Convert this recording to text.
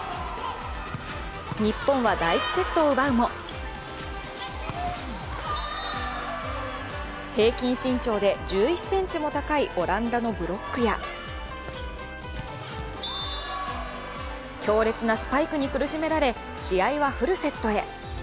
日本は第１セットを奪うも平均身長で１１ｃｍも高いオランダのブロックや強烈なスパイクに苦しめられ、試合はフルセットへ。